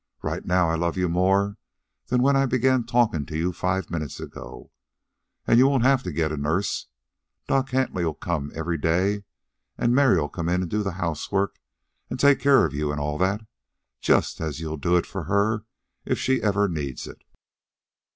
Right now I love you more'n when I began talkin' to you five minutes ago. An' you won't have to get a nurse. Doc Hentley'll come every day, an' Mary'll come in an' do the housework, an' take care of you an' all that, just as you'll do for her if she ever needs it."